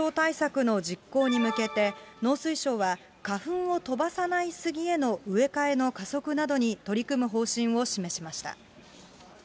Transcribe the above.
花粉症対策の実行に向けて、農水省は花粉を飛ばさないスギへの植え替えの加速などに取り組む方針を示しました。